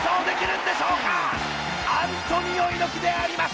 アントニオ猪木であります！